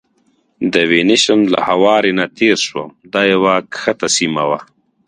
د وینیشن له هوارې نه تېر شوم، دا یوه کښته سیمه وه.